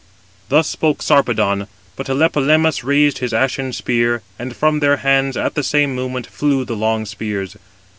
Thus spoke Sarpedon: but Tlepolemus raised his ashen spear, and from their hands, at the same moment, flew the long spears.